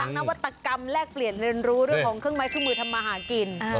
นวัตกรรมแลกเปลี่ยนเรียนรู้เรื่องของเครื่องไม้เครื่องมือทำมาหากิน